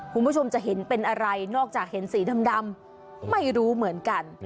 คุณผู้ชมจะเห็นเป็นอะไรนอกจากเห็นสีดำไม่รู้เหมือนกัน